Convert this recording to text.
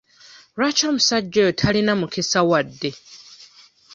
Lwaki omusajja oyo talina mukisa wadde?